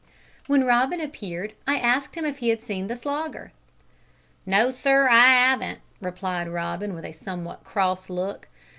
When Robin appeared I asked him if he had seen the Slogger. "No, sir, I 'aven't," replied Robin, with a somewhat cross look.